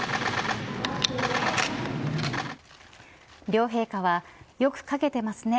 両陛下はよく描けてますね